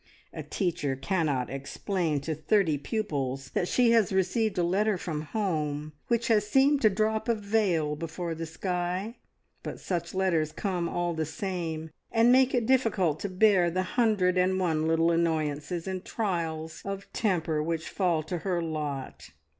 A teacher cannot explain to thirty pupils that she has received a letter from home which has seemed to drop a veil before the sky, but such letters come all the same, and make it difficult to bear the hundred and one little annoyances and trials of temper which fall to her lot.